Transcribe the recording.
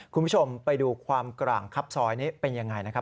คุณผู้ชมไปดูความกร่างครับซอยนี้เป็นยังไงนะครับ